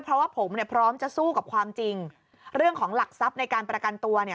เพราะว่าผมเนี่ยพร้อมจะสู้กับความจริงเรื่องของหลักทรัพย์ในการประกันตัวเนี่ย